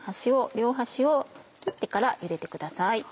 両端を切ってからゆでてください。